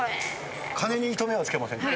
金に糸目は付けません。